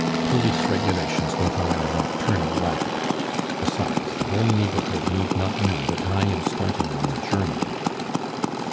Police regulations don't allow nocturnal racket. Besides, the whole neighborhood need not know that I am starting on a journey."